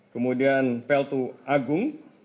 kemudian peltu agung